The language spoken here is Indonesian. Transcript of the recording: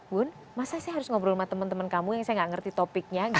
bun masa saya harus ngobrol sama temen temen kamu yang saya gak ngerti topiknya